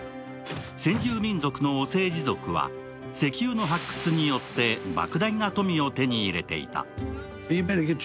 先住民族のオセージ族は石油の発掘によってばく大な富を手に入れていた。